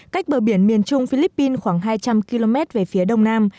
cách bờ biển miền trung philippines khoảng hai trăm linh km về phía đông nam